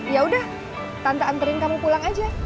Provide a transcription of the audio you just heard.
yaudah tante anterin kamu pulang aja